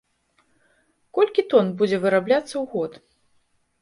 Колькі тон будзе вырабляцца ў год?